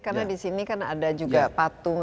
karena disini kan ada juga patung